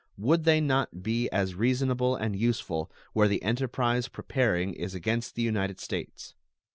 Would they not be as reasonable and useful where the enterprise preparing is against the United States?